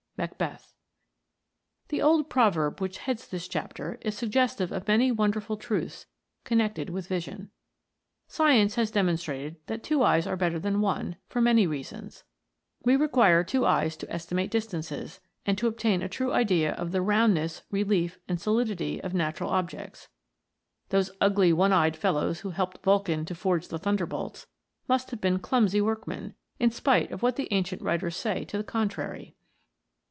MACBETH, THE old proverb which, heads this chapter is sug gestive of many wonderful truths connected with vision. Science has demonstrated that two eyes are better than one, for many reasons. We require two eyes to estimate distances, and to obtain a true idea of the roundness, relief, and solidity of natural objects. Those ugly one eyed fellows who helped Vulcan to forge the thunderbolts, must have been clumsy workmen, in spite of what the ancient writers say to the contrary.